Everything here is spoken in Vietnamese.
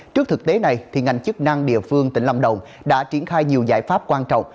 trước thực tế này ngành chức năng địa phương tỉnh lâm đồng đã triển khai nhiều giải pháp quan trọng